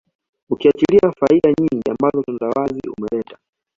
Ukiachilia faida nyingi ambazo utandawazi umeleta